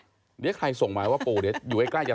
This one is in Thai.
ก็ปูต้องเดินไปครูนาแล้วเข้าไปในรูที่อยู่ตรงครูนาไหม